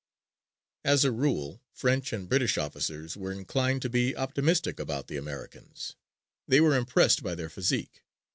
As a rule French and British officers were inclined to be optimistic about the Americans. They were impressed by their physique.